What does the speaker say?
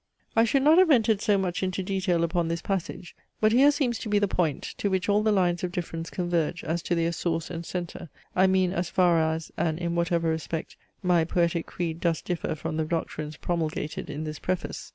I should not have entered so much into detail upon this passage, but here seems to be the point, to which all the lines of difference converge as to their source and centre; I mean, as far as, and in whatever respect, my poetic creed does differ from the doctrines promulgated in this preface.